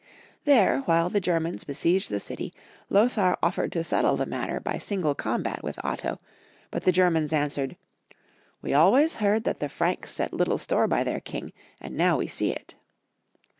There, while the Germans besieged the city, Lothar offered to settle the matter by a single combat Avith Otto, but the Germans answered, " We always heard that the Franks set little store by their King, and now we see it."